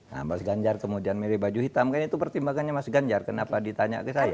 nah mas ganjar kemudian mirip baju hitam kan itu pertimbangannya mas ganjar kenapa ditanya ke saya